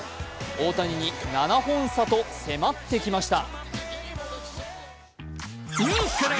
大谷に７本差と迫ってきました。